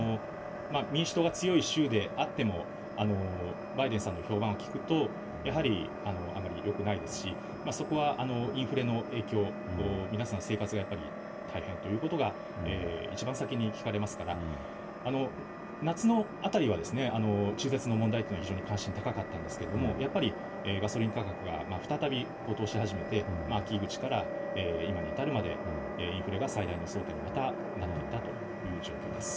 民主党が強い州であっても、バイデンさんの評判を聞くと、やはりあまりよくないですし、そこはインフレの影響、皆さん、生活がやっぱり大変ということが一番先に聞かれますから、夏のあたりは、中絶の問題っていうのは非常に関心高かったんですけれども、やっぱり、ガソリン価格が再び高騰し始めて、秋口から今に至るまで、インフレが最大の争点にまたなっていったという状況です。